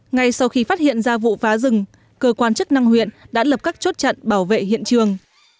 ngay sau khi phát hiện ra vụ phá rừng cơ quan chức năng huyện đã lập các chốt trận bảo vệ hiện trường